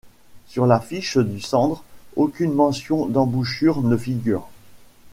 Sur la fiche du Sandre, aucune mention d'embouchure ne figure.